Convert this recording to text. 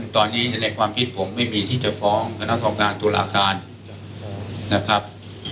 ตอนนี้ในความคิดผมไม่มีที่จะฟ้องคณะกรรมการตุลาการนะครับ